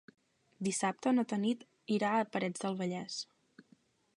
Dissabte na Tanit irà a Parets del Vallès.